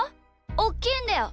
おっきいんだよ。